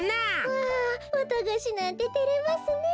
わあわたがしなんててれますねえ。